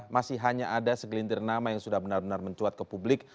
masih hanya ada segelintir nama yang sudah benar benar mencuat ke publik